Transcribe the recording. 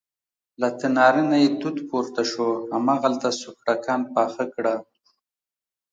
له تناره نه یې دود پورته شو، هماغلته سوکړکان پاخه کړه.